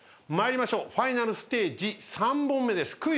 参りましょうファイナルステージ３本目です。